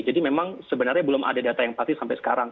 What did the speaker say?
jadi memang sebenarnya belum ada data yang pasti sampai sekarang